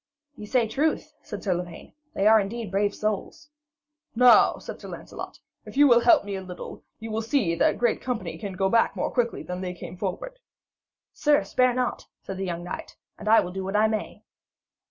'Ye say truth,' said Sir Lavaine; 'they are indeed brave souls.' 'Now,' said Sir Lancelot, 'if you will help me a little, you may see that great company go back more quickly than they came forward.' 'Sir, spare not,' said the young knight, 'and I will do what I may.'